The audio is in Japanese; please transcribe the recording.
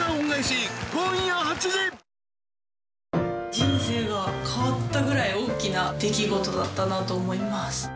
人生が変わったくらい大きな出来事だったなと思います。